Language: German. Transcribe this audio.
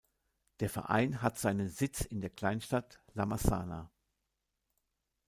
Der Verein hat seinen Sitz in der Kleinstadt La Massana.